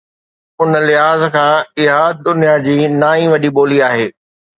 ان لحاظ کان اها دنيا جي نائين وڏي ٻولي آهي